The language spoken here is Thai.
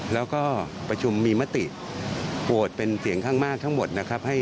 แล้วก็ประชุมมีมติโหวตเป็นเสียงข้างมากทั้งหมดนะครับ